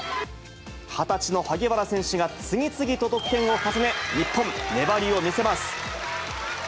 ２０歳の萩原選手が次々と得点を重ね、日本、粘りを見せます。